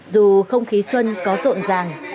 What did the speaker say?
dù không khí xuân có rộn ràng